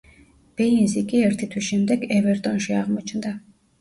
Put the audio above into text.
ბეინზი კი ერთი თვის შემდეგ ევერტონში აღმოჩნდა.